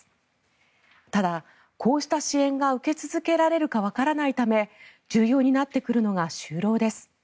ただこうした支援が受け続けられるかわからないため重要になってくるのが就労です。